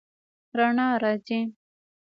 رڼا راځي